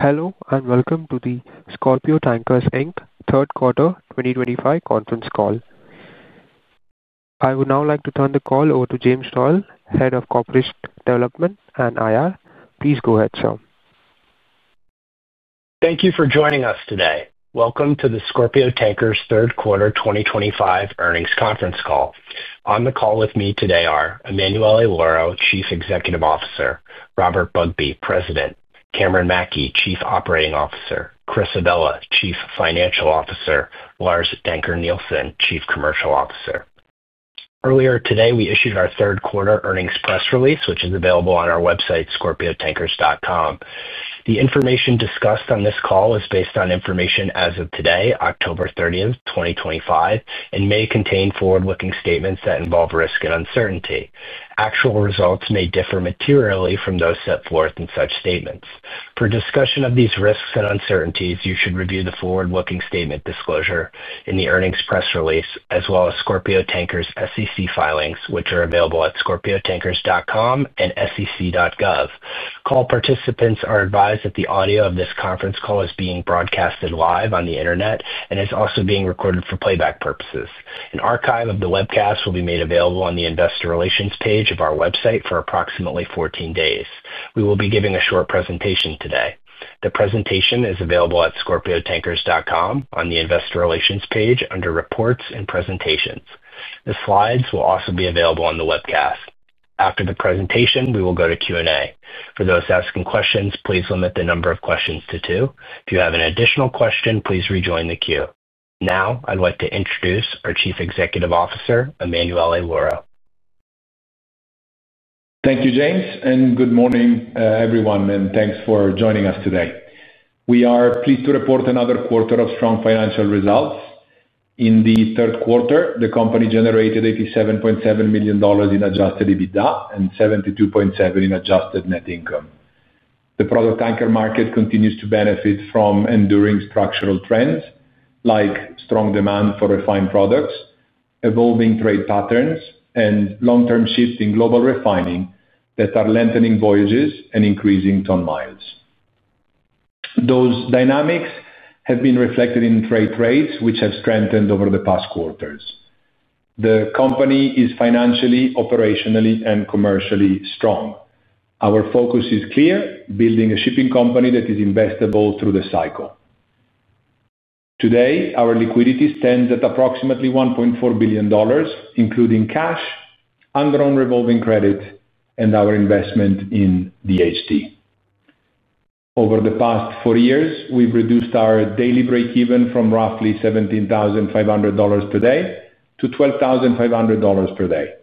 Hello and welcome to the Scorpio Tankers Inc. third quarter 2025 conference call. I would now like to turn the call over to James Doyle, Head of Corporate Development and IR. Please go ahead, sir. Thank you for joining us today. Welcome to the Scorpio Tankers third quarter 2025 earnings conference call. On the call with me today are Emanuele Lauro, Chief Executive Officer, Robert Bugbee, President, Cameron Mackey, Chief Operating Officer, Christopher Avella, Chief Financial Officer, and Lars Dencker Nielsen, Chief Commercial Officer. Earlier today we issued our third quarter earnings press release, which is available on our website scorpiotankers.com. The information discussed on this call is based on information as of today, October 30th, 2025, and may contain forward-looking statements that involve risk and uncertainty. Actual results may differ materially from those set forth in such statements. For discussion of these risks and uncertainties, you should review the forward-looking statement disclosure in the earnings press release as well as Scorpio Tankers' SEC filings, which are available at scorpiotankers.com and sec.gov. Participants are advised that the audio of this conference call is being broadcast live on the Internet and is also being recorded for playback purposes. An archive of the webcast will be made available on the Investor Relations page of our website for approximately 14 days. We will be giving a short presentation today. The presentation is available at scorpiotankers.com on the Investor Relations page under Reports and Presentations. The slides will also be available on the webcast. After the presentation, we will go to Q&A. For those asking questions, please limit the number of questions to two. If you have an additional question, please rejoin the queue. Now, I'd like to introduce our Chief Executive Officer, Emanuele Lauro. Thank you, James, and good morning, everyone, and thanks for joining us today. We are pleased to report another quarter of strong financial results. In the third quarter, the company generated $87.7 million in adjusted EBITDA and $72.7 million in adjusted net income. The product tanker market continues to benefit from enduring structural trends like strong demand for refined products and evolving trade patterns and long-term shift in global refining that are lengthening voyages and increasing ton-mile demand. Those dynamics have been reflected in freight rates, which have strengthened over the past quarters. The company is financially, operationally, and commercially strong. Our focus is building a shipping company that is investable through the cycle. Today our liquidity stands at approximately $1.4 billion, including cash, undrawn revolving credit, and our investment in DHT. Over the past four years, we've reduced our daily breakeven from roughly $17,500 per day to $12,500 per day.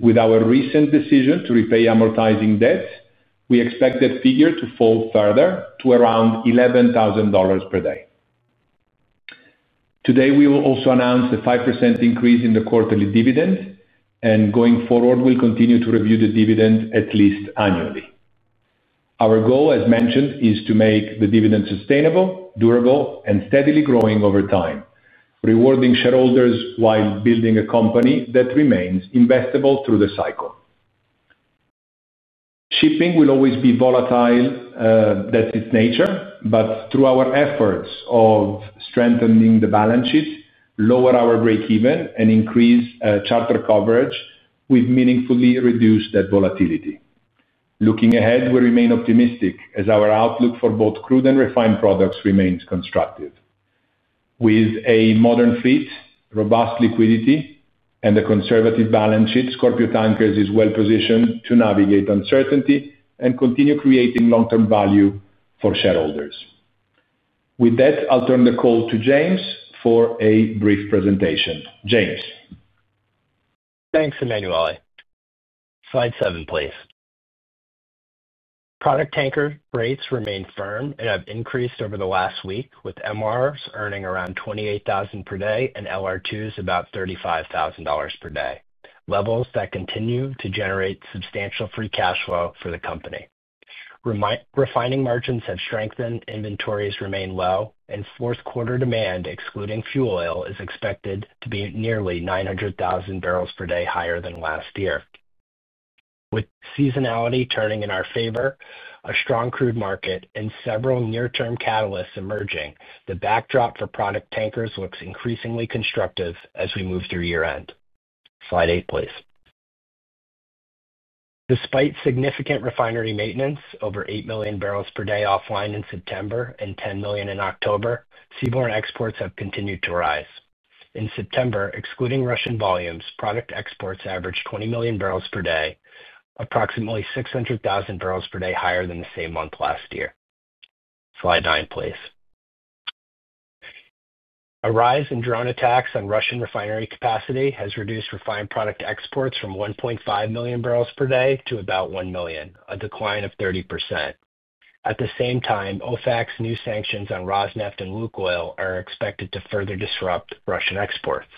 With our recent decision to repay amortizing debts, we expect that figure to fall further to around $11,000 per day. Today we will also announce a 5% increase in the quarterly dividend and, going forward, will continue to review the dividend at least annually. Our goal, as mentioned, is to make the dividend sustainable, durable, and steadily growing over time, rewarding shareholders while building a company that remains investable through the cycle. Shipping will always be volatile, that's its nature. Through our efforts of strengthening the balance sheet, lowering our breakeven, and increasing charter coverage, we've meaningfully reduced debt volatility. Looking ahead, we remain optimistic as our outlook for both crude and refined products remains constructive. With a modern fleet, robust liquidity, and a conservative balance sheet, Scorpio Tankers is well positioned to navigate uncertainty and continue creating long term value for shareholders. With that, I'll turn the call to James for a brief presentation. James. Thanks Emanuele. Slide seven, please. Product tanker rates remain firm and have increased over the last week with MRs earning around $28,000 per day and LR2s about $35,000 per day, levels that continue to generate substantial free cash flow for the company. Refining margins have strengthened, inventories remain low, and fourth quarter demand, excluding fuel oil, is expected to be nearly 900,000 bbl per day higher than last year. With seasonality turning in our favor, a strong crude market, and several near-term catalysts emerging, the backdrop for product tankers looks increasingly constructive as we move through year-end. Slide eight, please. Despite significant refinery maintenance, over 8 million bbl per day offline in September and 10 million in October, seaborne exports have continued to rise. In September, excluding Russian volumes, product exports averaged 20 million bbl per day, approximately 600,000 bbl per day higher than the same month last year. Slide nine, please. A rise in drone attacks on Russian refinery capacity has reduced refined product exports from 1.5 million bbl per day to about 1 million bbl per day, a decline of 30%. At the same time, OFAC's new sanctions on Rosneft and LU.K.oil are expected to further disrupt Russian exports.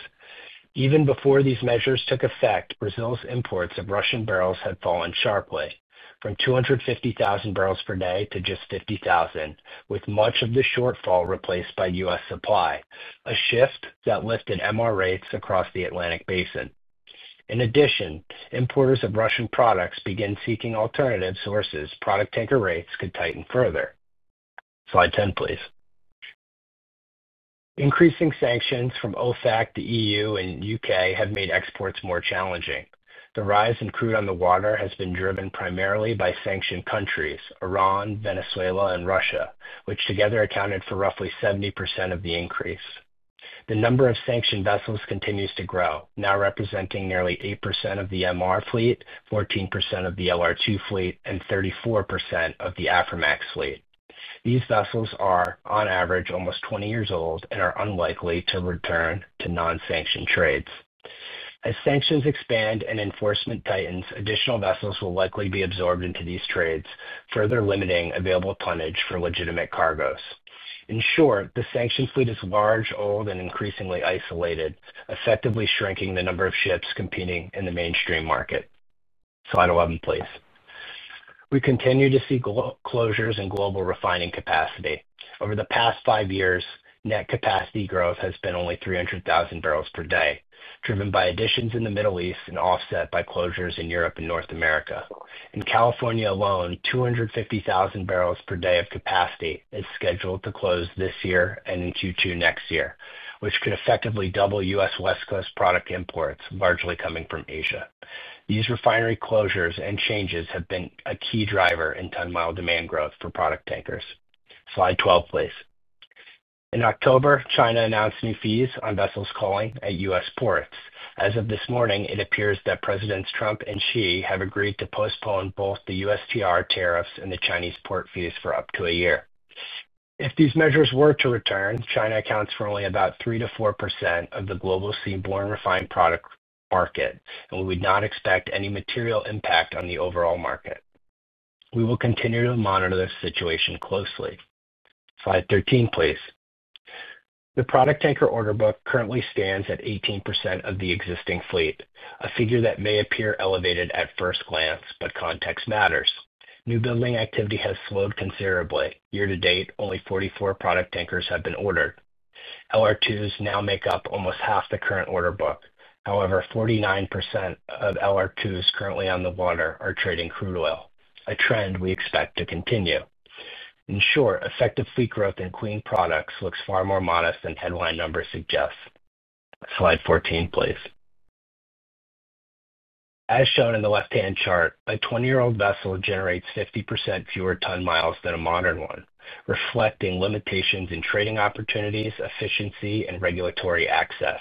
Even before these measures took effect, Brazil's imports of Russian barrels had fallen sharply from 250,000 bbl per day to just 50,000 bbl per day, with much of the shortfall replaced by U.S. supply, a shift that lifted MR rates across the Atlantic Basin. In addition, importers of Russian products begin seeking alternative sources. Product tanker rates could tighten further. Slide 10, please. Increasing sanctions from OFAC, the EU, and U.K. have made exports more challenging. The rise in crude on the water has been driven primarily by sanctioned countries, Iran, Venezuela, and Russia, which together accounted for roughly 70% of the increase. The number of sanctioned vessels continues to grow, now representing nearly 8% of the MR fleet, 14% of the LR2 fleet, and 34% of the Aframax fleet. These vessels are on average almost 20 years old and are unlikely to return to non-sanctioned trades. As sanctions expand and enforcement tightens, additional vessels will likely be absorbed into these trades, further limiting available tonnage for legitimate cargoes. In short, the sanctioned fleet is large, old, and increasingly isolated, effectively shrinking the number of ships competing in the mainstream market. Slide 11. Please, we continue to see closures in global refining capacity over the past five years. Net capacity growth has been only 300,000 bbl per day, driven by additions in the Middle East and offset by closures in Europe and North America. In California alone, 250,000 bbl per day of capacity is scheduled to close this year and in Q2 next year, which could effectively double U.S. West Coast product imports, largely coming from Asia. These refinery closures and changes have been a key driver in ton-mile demand growth for product tankers. Slide 12, please. In October, China announced new fees on vessels calling at U.S. ports. As of this morning, it appears that Presidents Trump and Xi have agreed to postpone both the USTR tariffs and the Chinese port fees for up to a year. If these measures were to return, China accounts for only about 3%-4% of the global seaborne refined product market, and we would not expect any material impact on the overall market. We will continue to monitor this situation closely. Slide 13, please. The product tanker order book currently stands at 18% of the existing fleet, a figure that may appear elevated at first glance, but context matters. New building activity has slowed considerably. Year to date, only 44 product tankers have been ordered. LR2s now make up almost half the current order book. However, 49% of LR2s currently on the water are trading crude oil, a trend we expect to continue. In short, effective fleet growth in clean products looks far more modest than headline numbers suggest. Slide 14. Please, as shown in the left-hand chart, a 20-year-old vessel generates 50% fewer ton-miles than a modern one, reflecting limitations in trading opportunities, efficiency, and regulatory access.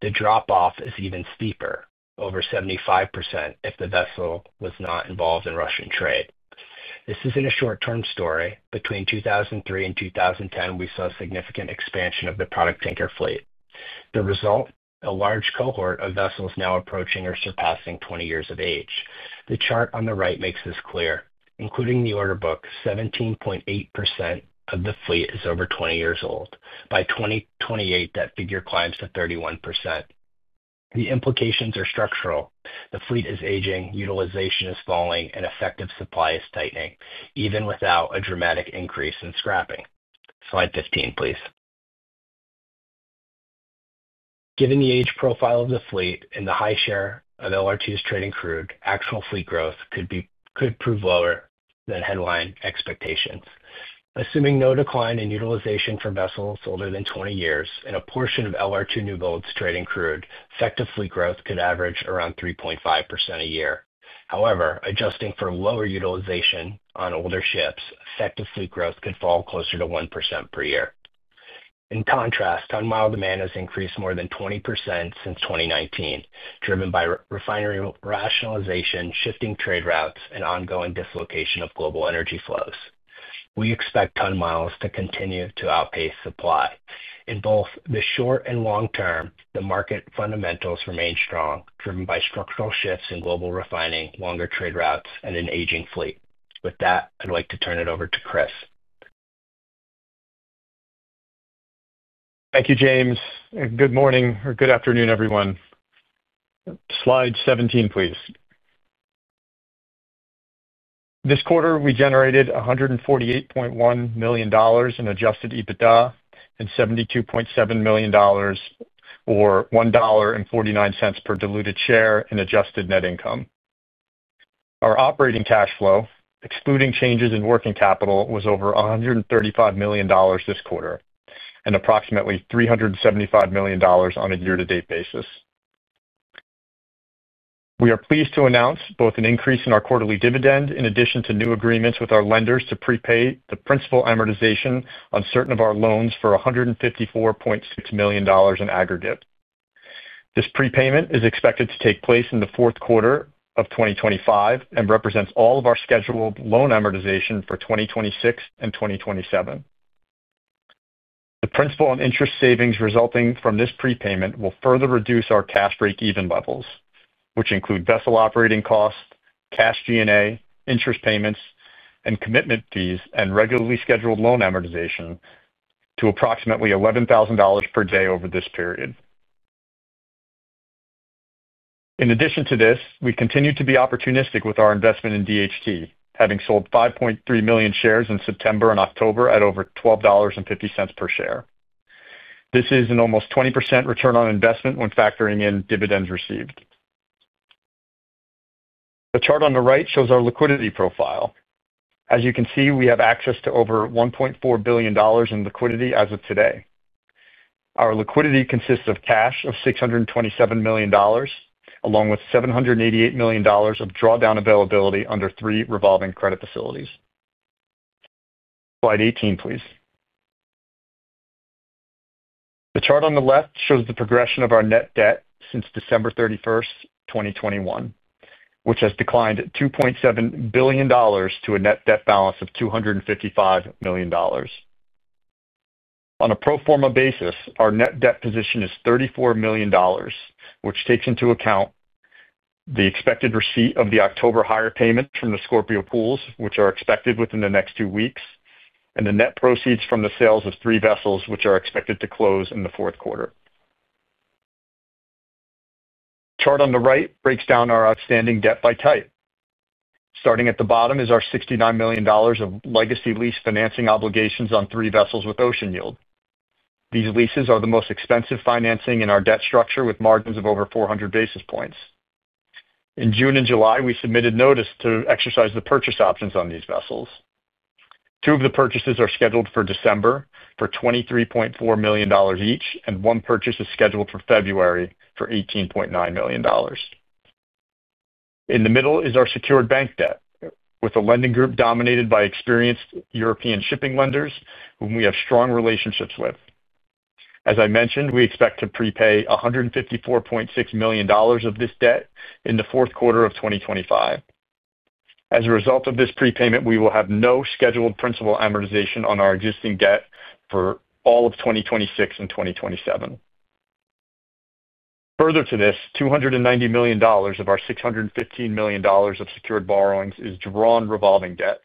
The drop-off is even steeper, over 75%, if the vessel was not involved in Russian trade. This isn't a short-term story. Between 2003 and 2010, we saw significant expansion of the product tanker fleet. The result? A large cohort of vessels now approaching or surpassing 20 years of age. The chart on the right makes this clear. Including the order book, 17.8% of the fleet is over 20 years old. By 2028, that figure climbs to 31%. The implications are structural. The fleet is aging, utilization is falling, and effective supply is tightening, even without a dramatic increase in scrapping. Slide 15, please. Given the age profile of the fleet and the high share of LR2s trading crude, actual fleet growth could prove lower than headline expectations. Assuming no decline in utilization for vessels older than 20 years and a portion of LR2 new builds trading crude effectively, growth could average around 3.5% a year. However, adjusting for lower utilization on older ships, effectively growth could fall closer to 1% per year. In contrast, ton-mile demand has increased more than 20% since 2019, driven by refinery rationalization, shifting trade routes, and ongoing dislocation of global energy flows. We expect ton-miles to continue to outpace supply in both the short and long term. The market fundamentals remain strong, driven by structural shifts in global refining, longer trade routes, and an aging fleet. With that, I'd like to turn it over to Chris. Thank you, James. Good morning or good afternoon everyone. Slide 17, please. This quarter we generated $148.1 million in adjusted EBITDA and $72.7 million, or $1.49 per diluted share in adjusted net income. Our operating cash flow, excluding changes in working capital, was over $135 million this quarter and approximately $375 million on a year to date basis. We are pleased to announce both an increase in our quarterly dividend in addition to new agreements with our lenders to prepay the principal amortization on certain of our loans for $154.6 million in aggregate. This prepayment is expected to take place in the fourth quarter of 2025 and represents all of our scheduled loan amortization for 2026 and 2027. The principal and interest savings resulting from this prepayment will further reduce our cash breakeven levels, which include vessel operating cost, cash G&A, interest payments and commitment fees, and regularly scheduled loan amortization to approximately $11,000 per day over this period. In addition to this, we continue to be opportunistic with our investment in DHT, having sold 5.3 million shares in September and October at over $12.50 per share. This is an almost 20% return on investment when factoring in dividends received. The chart on the right shows our liquidity profile. As you can see, we have access to over $1.4 billion in liquidity as of today. Our liquidity consists of cash of $627 million along with $788 million of drawdown availability under three revolving credit facilities. Slide 18, please. The chart on the left shows the progression of our net debt since December 31st, 2021, which has declined $2.7 billion to a net debt balance of $255 million. On a pro forma basis, our net debt position is $34 million, which takes into account the expected receipt of the October hire payment from the Scorpio pools, which are expected within the next two weeks, and the net proceeds from the sales of three vessels which are expected to close in the fourth quarter. The chart on the right breaks down our outstanding debt by type. Starting at the bottom is our $69 million of legacy lease financing obligations on three vessels with Ocean Yield. These leases are the most expensive financing in our debt structure with margins of over 400 basis points. In June and July, we submitted notice to exercise the purchase options on these vessels. Two of the purchases are scheduled for December for $23.4 million each, and one purchase is scheduled for February for $18.9 million. In the middle is our secured bank debt with a lending group dominated by experienced European shipping lenders whom we have strong relationships with. As I mentioned, we expect to prepay $154.6 million of this debt in the fourth quarter of 2025. As a result of this prepayment, we will have no scheduled principal amortization on our existing debt for all of 2026 and 2027. Further to this, $290 million of our $615 million of secured borrowings is drawn revolving debt,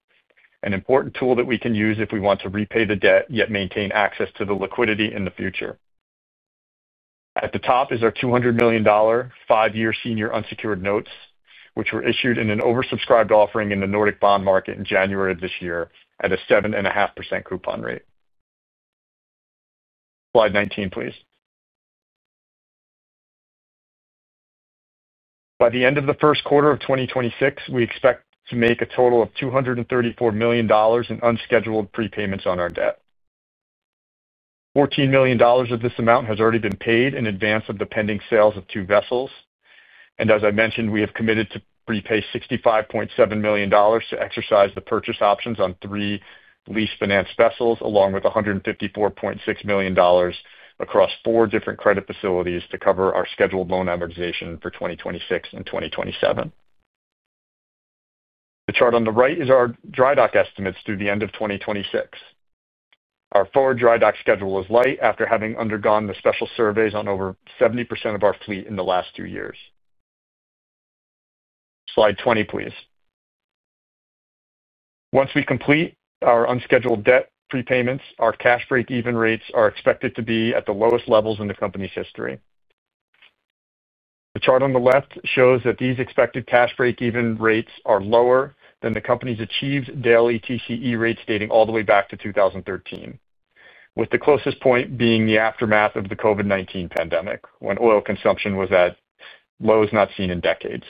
an important tool that we can use if we want to repay the debt yet maintain access to the liquidity in the future. At the top is our $200 million five-year senior unsecured notes, which were issued in an oversubscribed offering in the Nordic bond market in January of this year at a 7.5% coupon rate. Slide 19, please. By the end of the first quarter of 2026, we expect to make a total of $234 million in unscheduled prepayments on our debt. $14 million of this amount has already been paid in advance of the pending sales of two vessels, and as I mentioned, we have committed to prepay $65.7 million to exercise the purchase options on three lease finance vessels along with $154.6 million across four different credit facilities to cover our scheduled loan amortization for 2026 and 2027. The chart on the right is our dry dock estimates through the end of 2026. Our forward dry dock schedule is light after having undergone the special surveys on over 70% of our fleet in the last two years. Slide 20, please. Once we complete our unscheduled debt prepayments, our cash breakeven rates are expected to be at the lowest levels in the company's history. The chart on the left shows that these expected cash breakeven rates are lower than the company's achieved daily TCE rates dating all the way back to 2013, with the closest point being the aftermath of the COVID-19 pandemic, when oil consumption was at lows not seen in decades.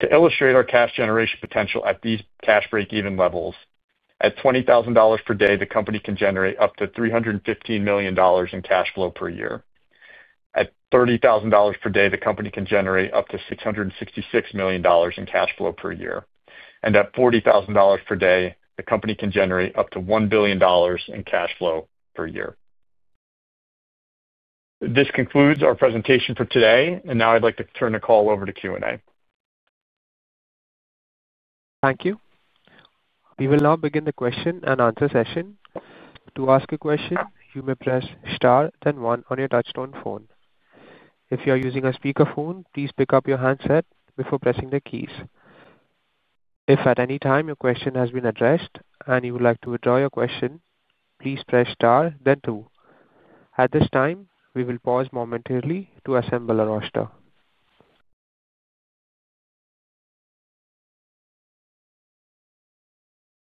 To illustrate our cash generation potential at these cash breakeven levels, at $20,000 per day, the company can generate up to $315 million in cash flow per year. At $30,000 per day, the company can generate up to $666 million in cash flow per year. At $40,000 per day, the company can generate up to $1 billion in cash flow per year. This concludes our presentation for today. I would now like to turn the call over to Q&A. Thank you. We will now begin the question and answer session. To ask a question, you may press star, then one on your touchtone phone. If you are using a speakerphone, please pick up your handset before pressing the keys. If at any time your question has been addressed and you would like to withdraw your question, please press star then two. At this time, we will pause momentarily to assemble a roster.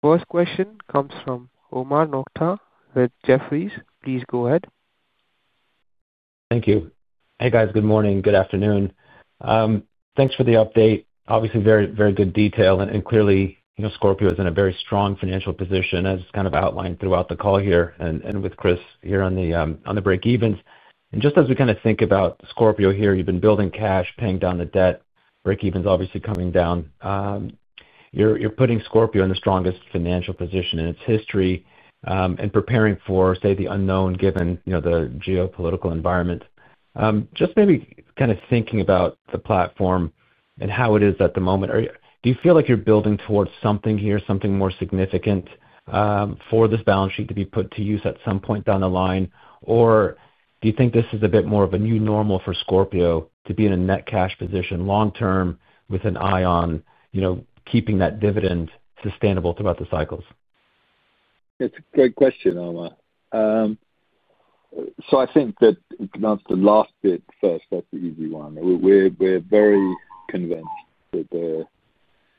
First question comes from Omar Nokta with Jefferies. Please go ahead. Thank you. Hey, guys, good morning. Good afternoon. Thanks for the update. Obviously, very, very good detail. Clearly, Scorpio is in a very strong financial position, as kind of outlined throughout the call here and with Chris here on the breakevens. Just as we kind of think about Scorpio here, you've been building cash, paying down the debt, breakevens obviously coming down. You're putting Scorpio in the strongest financial position in its history and preparing for, say, the unknown, given the geopolitical environment. Just maybe kind of thinking about the platform and how it is at the moment, do you feel like you're building towards something here, something more significant for this balance sheet to be put to use at some point down the line? Do you think this is a bit more of a new normal for Scorpio to be in a net cash position long term with an eye on keeping that dividend sustainable throughout the cycles? It's a great question, Omar. I think that's the last bit first. That's the easy one. We're very convinced that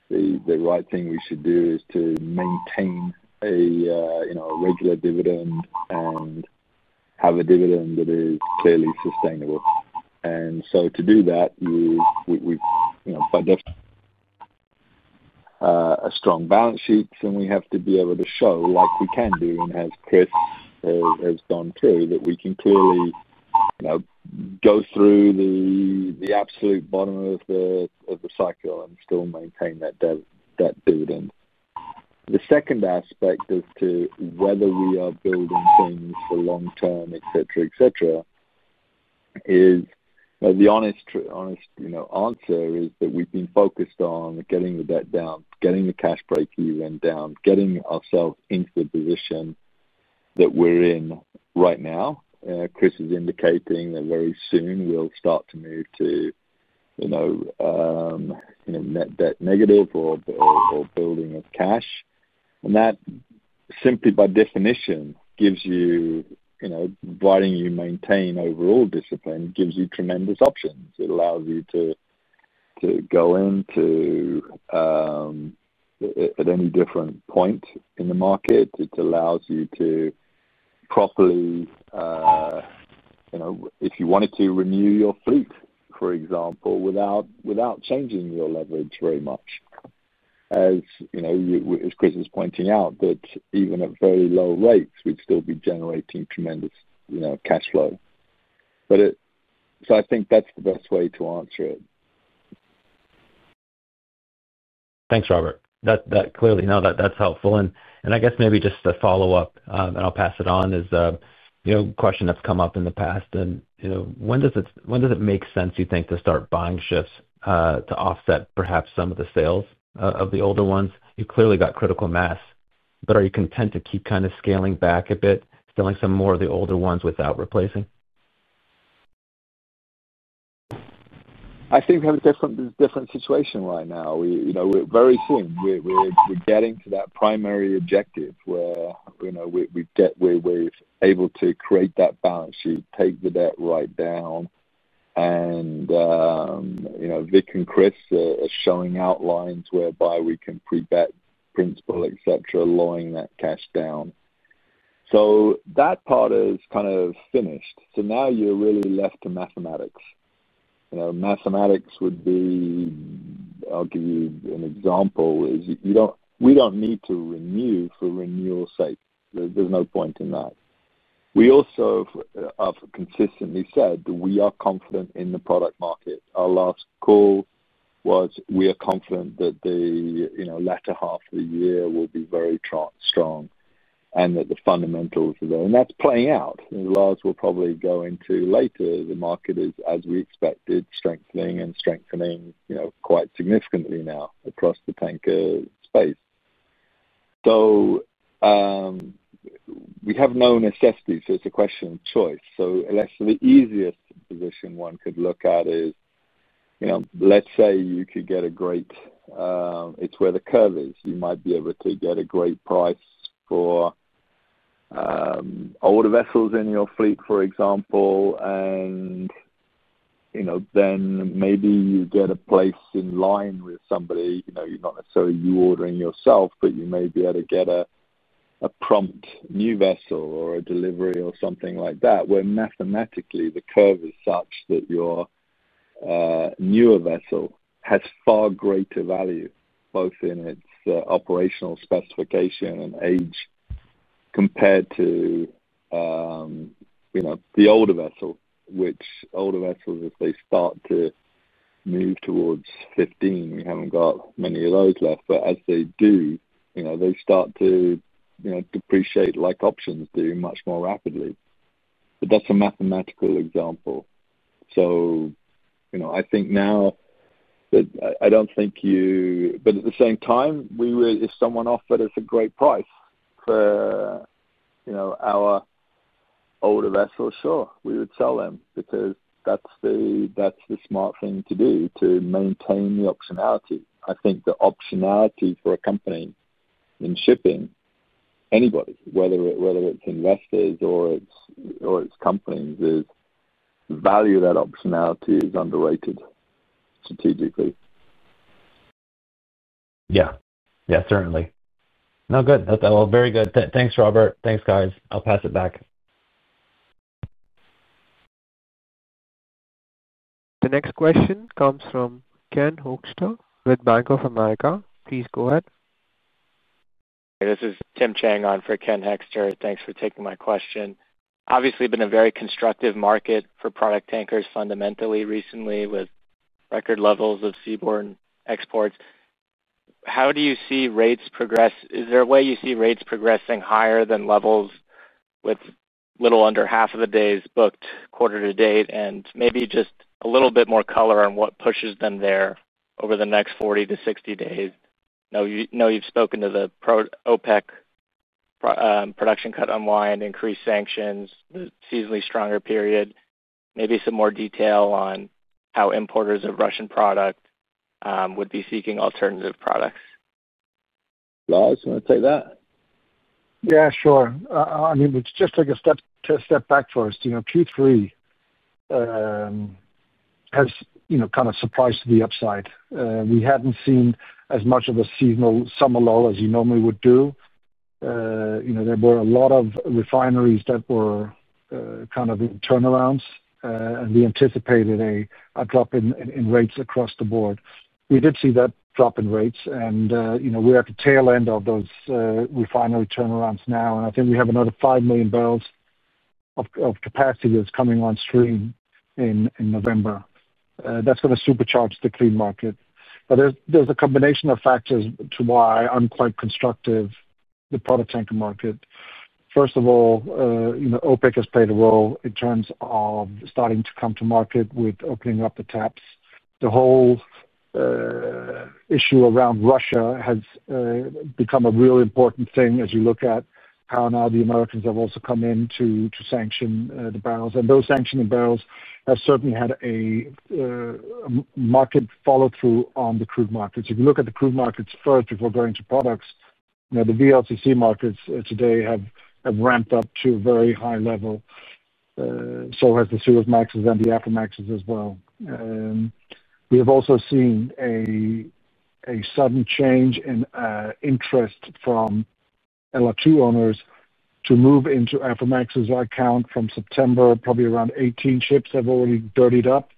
the right thing we should do is to maintain a regular dividend and have a dividend that is clearly sustainable. To do that, strong balance sheets and we have to be able to show like we can do. As Chris has gone through that, we can clearly go through the absolute bottom of the cycle and still maintain that dividend. The second aspect as to whether we are building things for long term, etc. is the honest answer is that we've been focused on getting the debt down, getting the cash breakeven down, getting ourselves into the position that we're in right now. Chris is indicating that very soon we'll start to move to, you know, net debt negative or building of cash. That simply by definition gives you, providing you maintain overall discipline, gives you tremendous options. It allows you to go into at any different point in the market. It allows you to properly, if you wanted to renew your fleet, for example, without changing your leverage very much. As Chris is pointing out, even at very low rates we'd still be generating tremendous cash flow. I think that's the best way to answer it. Thanks, Robert. Clearly that's helpful, and I guess maybe just a follow-up, and I'll pass it on, is a question that's come up in the past. When does it make sense, you think, to start buying ships to offset perhaps some of the sales of the older ones? You've clearly got critical mass, but are you content to keep scaling back a bit, selling some more of the older ones without replacing. I think we have a different situation right now. Very soon we're getting to that primary objective where we're able to create that balance sheet, take the debt right down. Vic and Chris are showing outlines whereby we can prepay principal, etc., lowering that cash down. That part is kind of finished. Now you're really left to mathematics. Mathematics would be, I'll give you an example, we don't need to renew for renewal's sake. There's no point in that. We also have consistently said we are confident in the product market. Our last call was we are confident that the latter half of the year will be very strong and that the fundamentals are there and that's playing out. Lars will probably go into that later. The market is, as we expected, strengthening and strengthening, you know, quite significantly now across the tanker space. We have no necessities. It's a question of choice. The easiest position one could look at is, you know, let's say you could get a great—it's where the curve is. You might be able to get a great price for older vessels in your fleet, for example. Maybe you get a place in line with somebody. You're not necessarily ordering yourself, but you may be able to get a prompt new vessel or a delivery or something like that, where mathematically the curve is such that your newer vessel has far greater value both in its operational specification and age compared to, you know, the older vessel. Older vessels, if they start to move towards 15, we haven't got many of those left, but as they do, they start to depreciate like options do much more rapidly. That's a mathematical example. I think now, I don't think you—at the same time, we would, if someone offered us a great price for our older vessels, sure, we would sell them because that's the smart thing to do to maintain the optionality. I think the optionality for a company in shipping, anybody, whether it's investors or it's companies, is value. That optionality is underrated strategically. Yeah, certainly. No, good. Very good. Thanks, Robert. Thanks, guys. I'll pass it back. The next question comes from Ken Hoexter with Bank of America. Please go ahead. This is Tim Chang on for Ken Hoexter. Thanks for taking my question. Obviously been a very constructive market for product tankers fundamentally recently with record levels of seaborne exports. How do you see rates progress? Is there a way you see rates progressing higher than levels with little under half of the days booked quarter to date and maybe just a little bit more color on what pushes them there over the next 40 to 60 days? Know you've spoken to the OPEC production cut unwind, increased sanctions, the seasonally stronger period. Maybe some more detail on how importers of Russian product would be seeking alternative products. Lars, you want to take that? Yeah, sure. I mean, it's just like a step back for us. Q3 has kind of surprised to the upside. We hadn't seen as much of a seasonal summer lull as you normally would. There were a lot of refineries that were kind of turnarounds and we anticipated a drop in rates across the board. We did see that drop in rates and we're at the tail end of those refinery turnarounds now. I think we have another 5 million bbl of capacity that's coming on stream in November that's going to supercharge the clean market. There's a combination of factors to why I'm quite constructive. The product tanker market. First of all, OPEC has played a role in terms of starting to come to market with opening up the taps. The whole issue around Russia has become a really important thing as you look at how now the Americans have also come in to sanction the barrels. Those sanctioning barrels have certainly had a market follow through on the crude markets. If you look at the crude markets first before going to products, the VLCC markets today have ramped up to a very high level. So has the Suezmaxes and the Aframaxes as well. We have also seen a sudden change in interest from LR2 owners to move into Aframax's account from September. Probably around 18 ships have already dirtied up.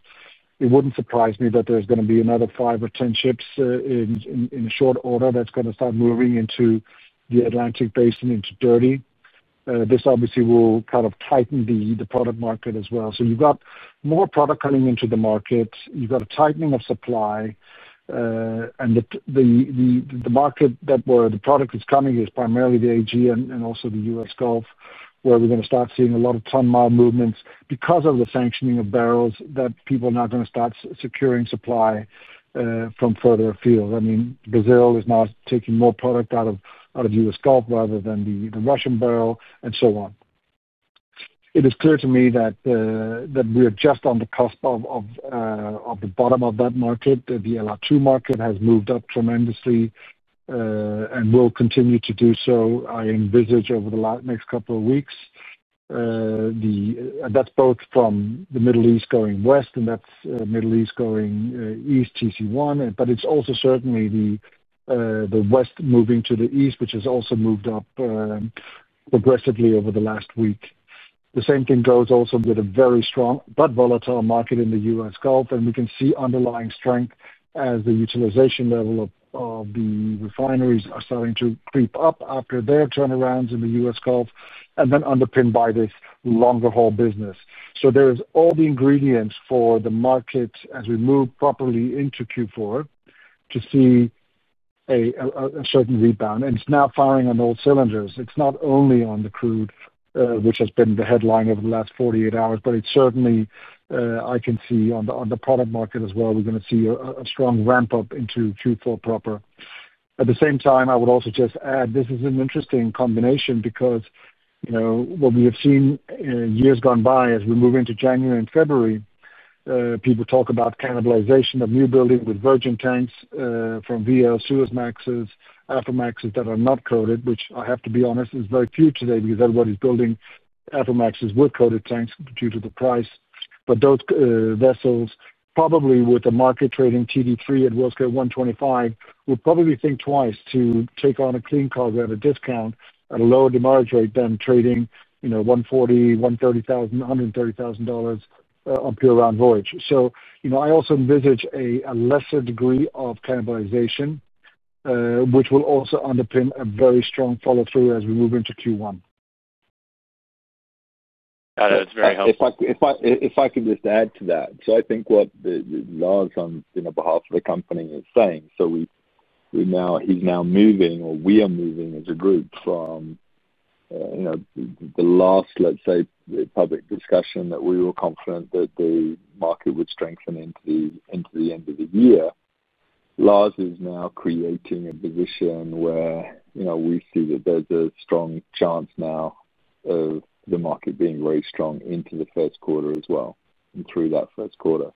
It wouldn't surprise me that there's going to be another five or ten ships in short order that's going to start moving into the Atlantic basin into dirty. This obviously will tighten the product market as well. You've got more product coming into the market. You've got a tightening of supply and the market where the product is coming is primarily the AG and also the U.S. Gulf where we are going to start seeing a lot of ton-mile movements because of the sanctioning of barrels that people are now going to start securing supply from further afield. Brazil is now taking more product out of the U.S. Gulf rather than the Russian barrel and so on. It is clear to me that we are just on the cusp of the bottom of that market. The LR2 market has moved up tremendously and will continue to do so. I envisage over the next couple of weeks. That's both from the Middle East going west and that's Middle East going east TC1, but it's also certainly the west moving to the east, which has also moved up progressively over the last week. The same thing goes also with a very strong but volatile market in the U.S. Gulf. We can see underlying strength as the utilization level of the refineries are starting to creep up after their turnarounds in the U.S. Gulf, underpinned by this longer haul business. There are all the ingredients for the market as we move properly into Q4 to see a certain rebound. It's now firing on all cylinders. It's not only on the crude, which has been the headline over the last 48 hours, but certainly I can see on the product market as well, we're going to see a strong ramp up into Q4 proper. At the same time, I would also just add this is an interesting combination because what we have seen years gone by as we move into January and February, people talk about cannibalization of new building with virgin tanks from VL Suezmaxes, Aframaxes that are not coated, which I have to be honest is very few today because everybody's building Aframaxes with coated tanks due to the price. Those vessels, probably with the market trading TD3 at Worldscale 125, would probably think twice to take on a clean cargo at a discount at a lower demarc rate than trading $130,000 on pure round voyage. I also envisage a lesser degree of cannibalization, which will also underpin a very strong follow through as we move into Q1. If I could just add to that. I think what Lars, on behalf of the company, is saying is he's now moving, or we are moving as a group, from the last, let's say, public discussion that we were confident that the market would strengthen into the end of the year. Lars is now creating a position where we see that there's a strong chance now of the market being very strong into the first quarter as well and through that first quarter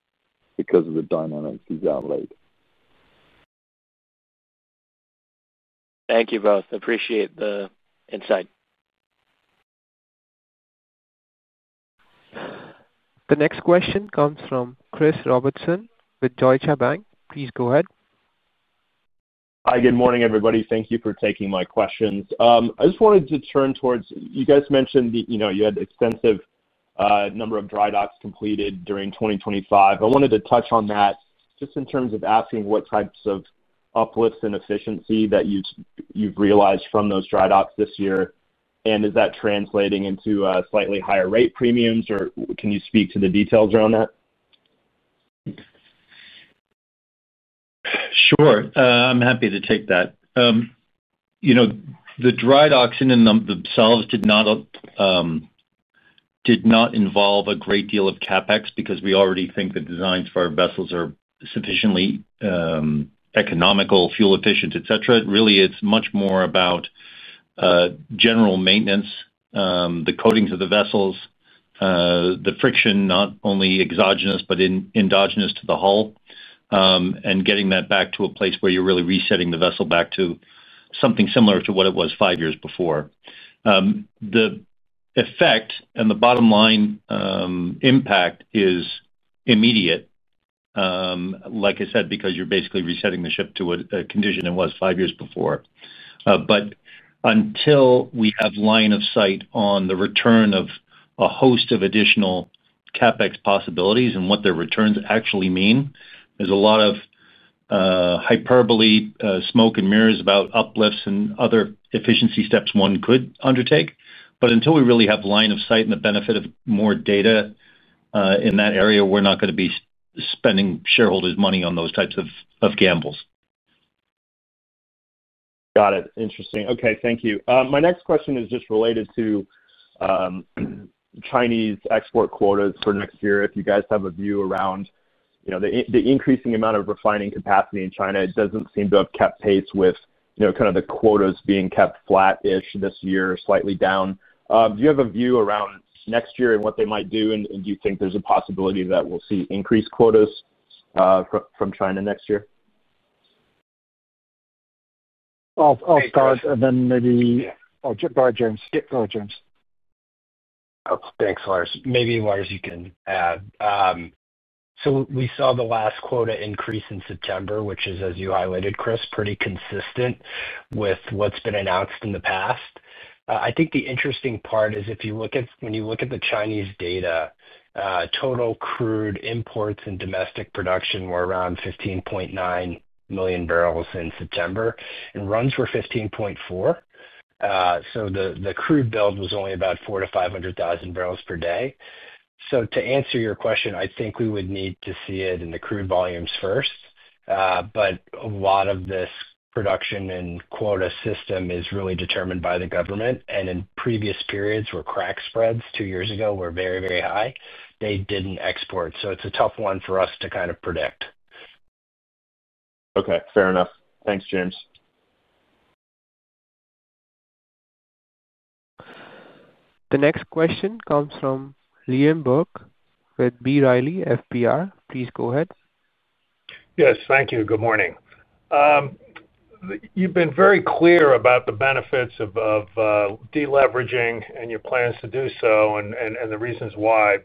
because of the dynamics he's outlaid. Thank you both, appreciate the insight. The next question comes from Chris Robertson with Deutsche Bank. Please go ahead. Hi, good morning everybody. Thank you for taking my questions. I just wanted to turn towards you guys mentioned you had extensive number of dry docks completed during 2025. I wanted to touch on that just in terms of asking what types of uplifts and efficiency that you've realized from those dry docks this year, and is that translating into slightly higher rate premiums, or can you speak to the details around that? Sure, I'm happy to take that. You know the dry docking in themselves did not involve a great deal of CapEx because we already think the designs for our vessels are sufficiently economical, fuel efficient, etc. Really it's much more about general maintenance. The coatings of the vessels, the friction, not only exogenous but endogenous to the hull and getting that back to a place where you're really resetting the vessel back to something similar to what it was five years before. The effect and the bottom line impact is immediate, like I said, because you're basically resetting the ship to a condition it was five years before. Until we have line of sight on the return of a host of additional CapEx possibilities and what their returns actually mean, there's a lot of hyperbole, smoke and mirrors about uplifts and other efficiency steps one could undertake. Until we really have line of sight and the benefit of more data in that area, we're not going to be spending shareholders' money on those types of gambles. Got it. Interesting. Okay, thank you. My next question is just related to Chinese export quotas for next year. If you guys have a view around the increasing amount of refining capacity in China, it doesn't seem to have kept pace with kind of the quotas being kept flat-ish this year, slightly down. Do you have a view around next year and what they might do, and do you think there's a possibility that we'll see increased quotas from China next year? I'll start and then maybe James. Thanks, Lars. Maybe Lars, you can add. We saw the last quota increase in September, which is, as you highlighted, Chris, pretty consistent with what's been announced in the past. I think the interesting part is if you look at, when you look at the Chinese data, total crude imports and domestic production were around 15.9 million bbl in September and runs were 15.4 million bbl. The crude build was only about 400,000 bbl per day to 500,000 bbl per day. To answer your question, I think we would need to see it in the crude volumes first. A lot of this production and quota system is really determined by the government, and in previous periods where crack spreads two years ago were very, very high, they didn't export. It's a tough one for us to kind of predict. Okay, fair enough. Thanks, James. The next question comes from Liam Burke with B. Riley. Please go ahead. Yes, thank you. Good morning. You've been very clear about the benefits of deleveraging and your plans to do so and the reasons why.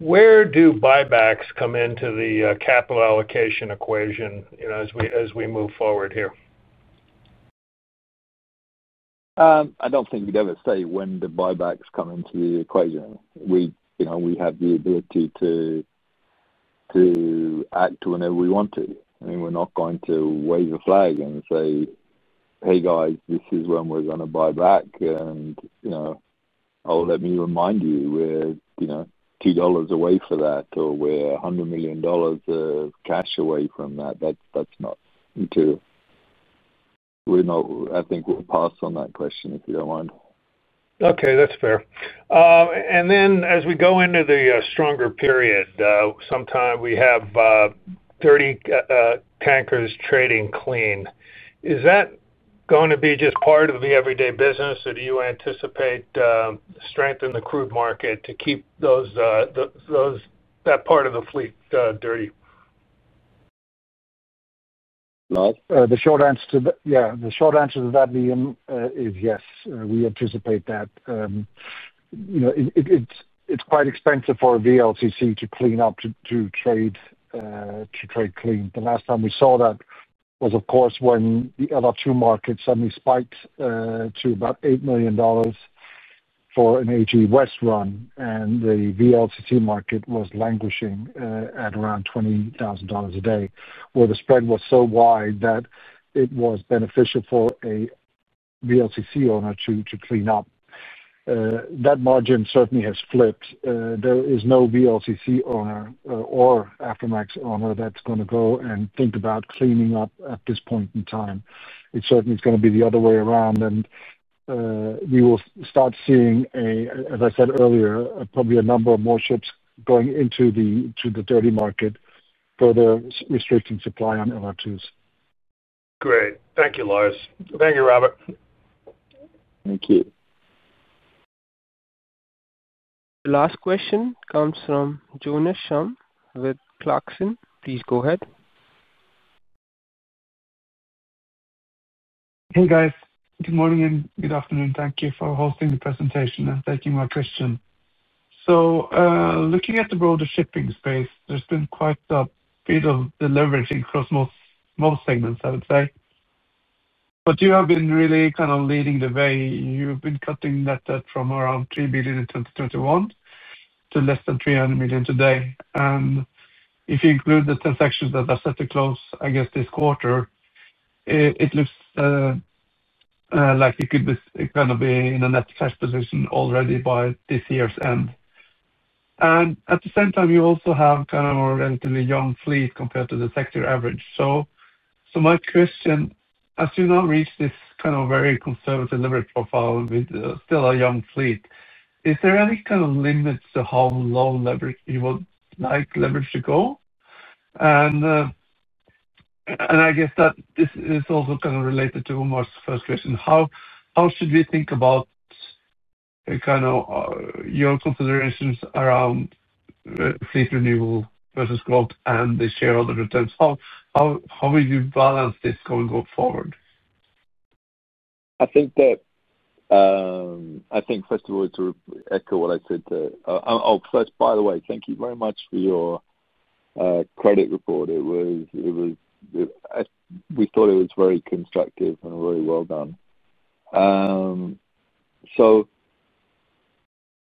Where do buybacks come into the capital allocation equation as we move forward here? I don't think we'd ever say when the buybacks come into the equation. We have the ability to act whenever we want to. We're not going to wave a flag and say, hey guys, this is when we're going to buy back. Let me remind you, we're $2 away from that or we're $100 million of cash away from that. That's not true. I think we'll pass on that question if you don't mind. Okay, that's fair. As we go into the stronger period, sometimes we have 30 tankers trading clean. Is that going to be just part of the everyday business, or do you anticipate strength in the crude market to keep those that part of the fleet dirty? The short answer to that, Liam, is yes, we anticipate that it's quite expensive for a VLCC to clean up, to trade, to trade clean. The last time we saw that was, of course, when the LR2 market suddenly spiked to about $8 million for an AG West run and the VLCC market was languishing at around $20,000 a day, where the spread was so wide that it was beneficial for a VLCC owner to clean up. That margin certainly has flipped. There is no VLCC owner or Aframax owner that's going to go and think about cleaning up at this point in time. It certainly is going to be the other way around. We will start seeing, as I said earlier, probably a number of more ships going into the dirty market, further restricting supply on LR2s. Great. Thank you, Lars. Thank you, Robert. Thank you. The last question comes from Jonas Shum with Clarksons. Please go ahead. Hey guys. Good morning and good afternoon. Thank you for hosting the presentation and taking my question. Looking at the broader shipping space, there's been quite a bit of delivery across most segments, I would say, but you have been really kind of leading the way. You've been cutting that debt from around $3 billion in 2021 to less than $300 million today. If you include the transactions that are set to close, I guess this quarter, it looks like it could be going to be in a net cash position already by this year's end. At the same time, you also have kind of a relatively young fleet compared to the sector average. My question, as you now reach this kind of very conservative leverage profile with still a young fleet, is there any kind of limits to how low leverage you would like leverage to go? I guess that this is also kind of related to Umar's first question. How should we think about your considerations around fleet renewal versus growth and the shareholder returns? How would you balance this going forward? I think first of all, to echo what I said, thank you very much for your credit report. It was, we thought it was very constructive and very well done.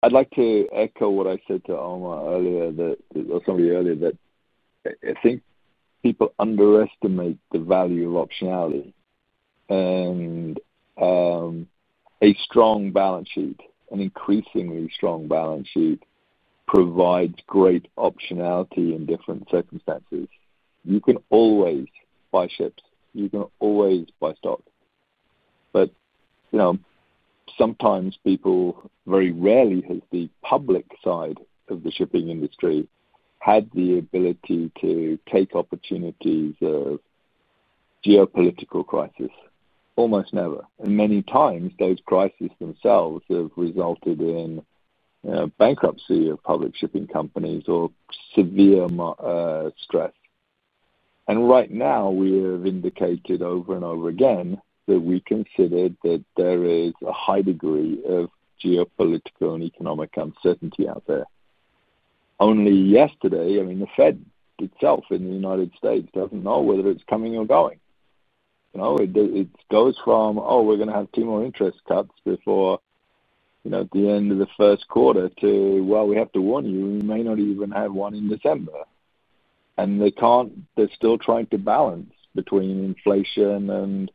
I'd like to echo what I said to Omar earlier, that I think people underestimate the value of optionality and a strong balance sheet. An increasingly strong balance sheet provides great optionality in different circumstances. You can always buy ships, you can always buy stock. Sometimes people, very rarely has the public side of the shipping industry had the ability to take opportunities of geopolitical crisis. Almost never, and many times those crises themselves have resulted in bankruptcy of public shipping companies or severe stress. Right now we have indicated over and over again that we considered that there is a high degree of geopolitical and economic uncertainty out there. Only yesterday, the Fed itself in the U.S. doesn't know whether it's coming or going. It goes from, oh, we're going to have two more interest cuts before the end of the first quarter to, we have to warn you, we may not even have one in December. They're still trying to balance between inflation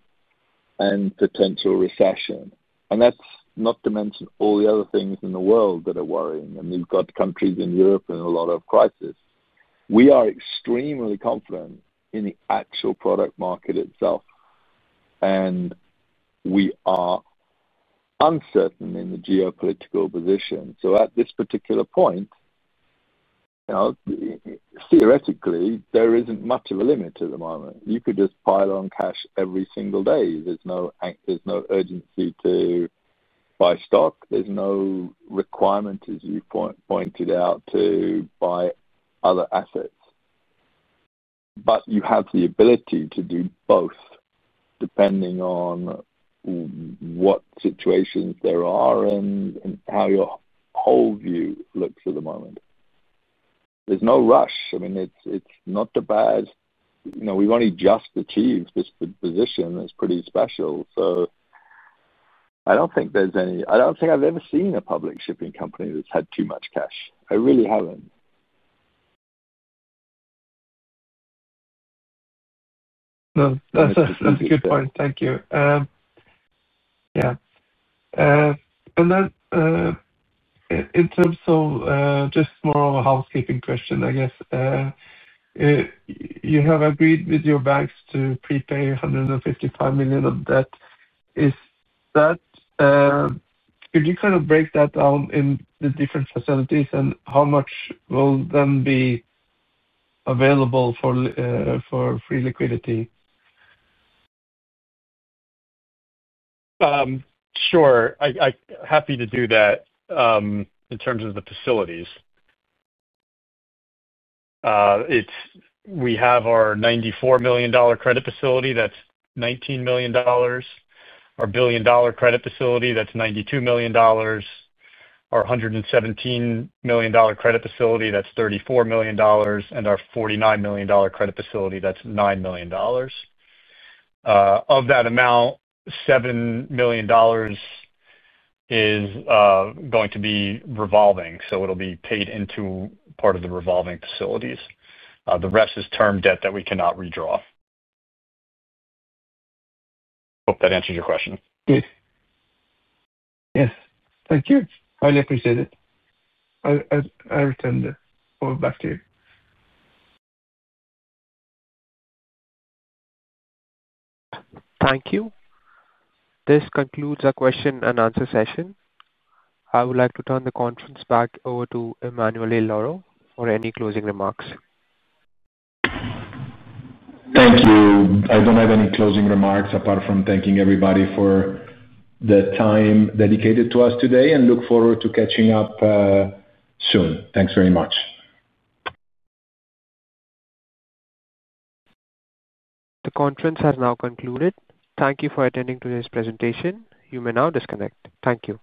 and potential recession. That's not to mention all the other things in the world that are worrying. You've got countries in Europe in a lot of crisis. We are extremely confident in the actual product market itself and we are uncertain in the geopolitical position. At this particular point, theoretically there isn't much of a limit at the moment. You could just pile on cash every single day. There's no urgency to buy stock. There's no requirement, as you pointed out, to buy other assets. You have the ability to do both depending on what situations there are and how your whole view looks at the moment. There's no rush. It's not bad. We've only just achieved this position that's pretty special. I don't think I've ever seen a public shipping company that's had too much cash. I really haven't. No, that's a good point. Thank you. Yeah. In terms of just more of a housekeeping question, I guess. You have agreed with your banks to prepay $155 million of debt. Is that, could you kind of break that down in the different facilities, and how much will then be available for free liquidity? Sure, I'm happy to do that. In terms of the facilities, we have our $94 million credit facility, that's $19 million. Our $1 billion credit facility, that's $92 million. Our $117 million credit facility, that's $34 million. Our $49 million credit facility, that's $9 million. Of that amount, $7 million is going to be revolving. It'll be paid into part of the revolving facilities. The rest is term debt that we cannot redraw. Hope that answers your question. Good. Yes, thank you. Highly appreciate it. I return the call back to you. Thank you. This concludes our question and answer session. I would like to turn the conference back over to Emanuele Lauro for any closing remarks. Thank you. I don't have any closing remarks. Apart from thanking everybody for the time dedicated to us today, I look forward to catching up soon. Thanks very much. The conference has now concluded. Thank you for attending today's presentation. You may now disconnect. Thank you.